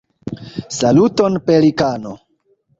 Saluton Pelikano!